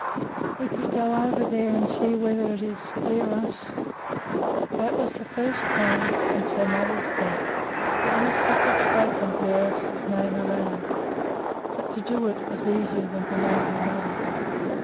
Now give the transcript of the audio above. "We could go over there and see whether it is Bliros." That was the first time since her mother's death that Lisbeth had spoken Bliros's name aloud. But to do that was easier than to name her mother.